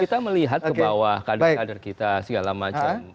kita melihat ke bawah kader kader kita segala macam